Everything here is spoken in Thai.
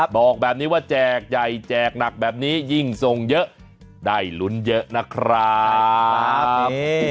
บอกแบบนี้ว่าแจกใหญ่แจกหนักแบบนี้ยิ่งส่งเยอะได้ลุ้นเยอะนะครับ